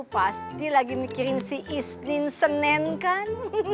pasti lagi mikirin si islin senen kan